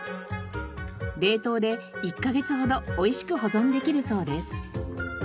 冷凍で１カ月ほど美味しく保存できるそうです。